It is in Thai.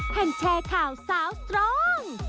แห่งแชร์ข่าวสาวสตรอง